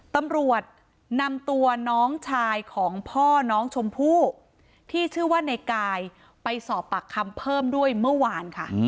ตำรวจนำตัวน้องชายของพ่อน้องชมพู่ที่ชื่อว่าในกายไปสอบปากคำเพิ่มด้วยเมื่อวานค่ะ